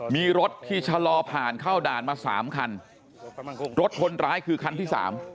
มีรถที่ชะลอผ่านเข้าด่านมาสามคันรถคนร้ายคือคันที่สาม